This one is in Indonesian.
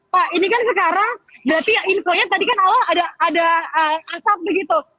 pak ini kan sekarang berarti infonya tadi kan awal ada asap begitu